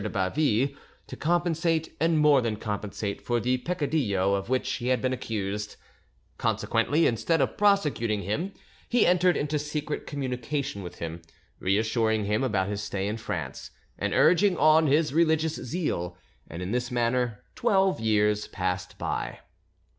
de Baville to compensate and more than compensate for the peccadillo of which he had been accused; consequently, instead of prosecuting him, he entered into secret communication with him, reassuring him about his stay in France, and urging on his religious zeal; and in this manner twelve years passed by.